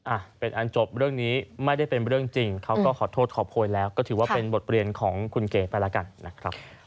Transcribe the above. อ่ะเป็นอันจบเรื่องนี้ไม่ได้เป็นเรื่องจริงเขาก็ขอโทษขอโพยแล้วก็ถือว่าเป็นบทเรียนของคุณเก๋ไปแล้วกันนะครับ